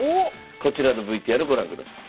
こちらのＶＴＲご覧ください。